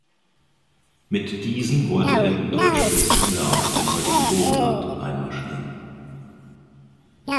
Mit diesen wollte er in Deutsch-Westungarn, dem heutigen Burgenland einmarschieren.